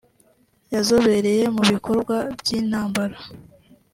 yazobereye mu bikorwa by’intambara